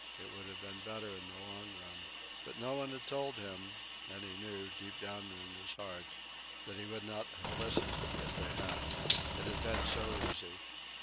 It would have been better in the long run. But no one had told him, and he knew, deep down in his heart, that he would not have listened if they had. It had been so easy.